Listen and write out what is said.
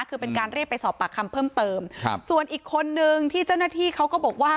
คือเป็นการเรียกไปสอบปากคำเพิ่มเติมครับส่วนอีกคนนึงที่เจ้าหน้าที่เขาก็บอกว่า